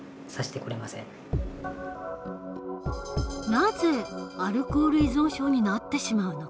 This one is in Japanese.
なぜアルコール依存症になってしまうのか。